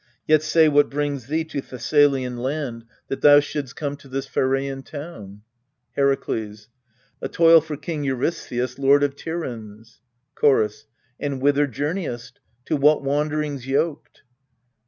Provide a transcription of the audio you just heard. Yet say, what brings thee to Thessalian land, ALCESTIS 215 That thou shouldst come to this Pheraian town? Herakles. A toil for King Eurystheus, lord of Tiryns. Chorus. And whither journeyest? To what wander ings yoked